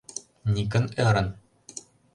— Никон ӧрын.